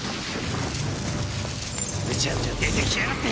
うじゃうじゃ出てきやがって！